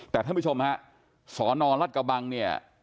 แต่ท่านผู้ชมครับสอนอนรัฐกบังเนี่ย